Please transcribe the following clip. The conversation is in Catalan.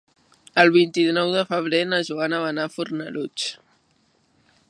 El vint-i-nou de febrer na Joana va a Fornalutx.